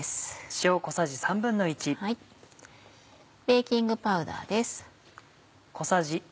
ベーキングパウダーです。